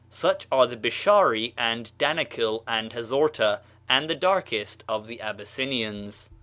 Such are the Bishari and Danekil and Hazorta, and the darkest of the Abyssinians.